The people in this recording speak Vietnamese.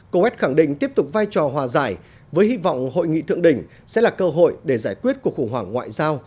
coet khẳng định tiếp tục vai trò hòa giải với hy vọng hội nghị thượng đỉnh sẽ là cơ hội để giải quyết cuộc khủng hoảng ngoại giao